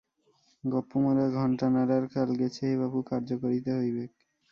গপ্প মারা ঘণ্টা নাড়ার কাল গেছে হে বাপু, কার্য করিতে হইবেক।